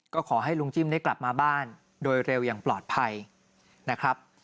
ก็ขอให้ลุงจิ้มได้กลับมาบ้านโดยเร็วอย่างปลอดภัยนะครับ